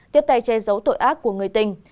tiếp tay che giấu tội ác của người tình